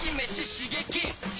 刺激！